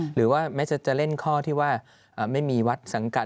หรือว่าแม้จะเล่นข้อที่ว่าไม่มีวัดสังกัด